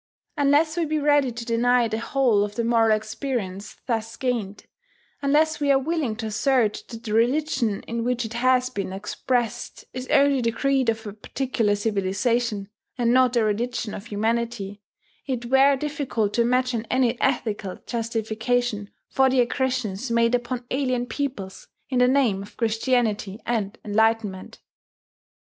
Unless we be ready to deny the whole of the moral experience thus gained, unless we are willing to assert that the religion in which it has been expressed is only the creed of a particular civilization, and not a religion of humanity, it were difficult to imagine any ethical justification for the aggressions made upon alien peoples in the name of Christianity and enlightenment.